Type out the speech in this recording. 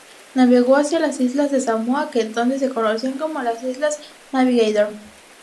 Navegó hacia las islas de Samoa, que entonces se conocían como las "islas Navigator".